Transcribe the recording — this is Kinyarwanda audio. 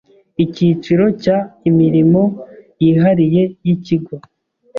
Icyiciro cya Imirimo yihariye y ikigo